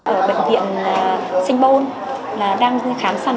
ở bệnh viện sanh pôn đang khám sân